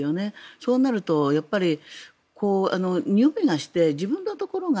そうなると臭いがして自分のところが